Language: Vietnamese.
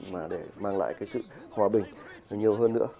mà để mang lại cái sự hòa bình nhiều hơn nữa